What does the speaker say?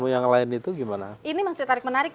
yang lain itu gimana ini masih tarik menarik